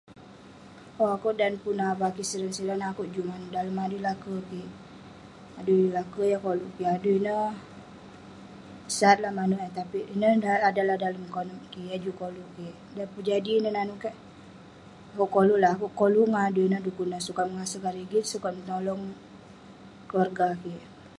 Owk, akouk dan pun avah kik siran siran, akouk juk manouk dalem adui laker kik. Adui laker yah koluk kik. Adui ineh, sat lah manouk eh tapik ineh adalah dalem konep kik, yah juk koluk kik. Dan pun Jadi neh nanouk kek. Akouk koluk lah- akouk koluk ngan adui ineh dekuk neh sukat menghasilkan rigit, sukat menolong keluarga kik.